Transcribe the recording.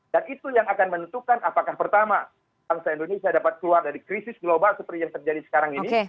dan itu yang akan menentukan apakah pertama bangsa indonesia dapat keluar dari krisis global seperti yang terjadi sekarang ini